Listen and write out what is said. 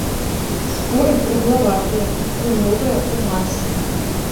Споры круглаватыя, ружовая ў масе.